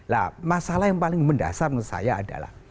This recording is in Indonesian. nah masalah yang paling mendasar menurut saya adalah